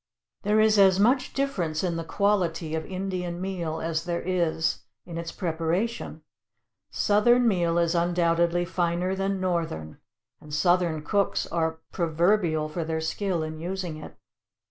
There is as much difference in the quality of Indian meal as there is in its preparation; Southern meal is undoubtedly finer than Northern, and Southern cooks are proverbial for their skill in using it.